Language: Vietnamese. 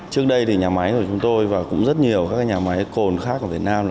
trước đây nhà máy của chúng tôi và cũng rất nhiều nhà máy cồn khác ở việt nam